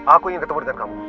aku ingin ketemu dengan kamu